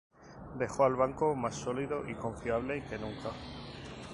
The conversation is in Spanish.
Dejo al banco más sólido y confiable que nunca"".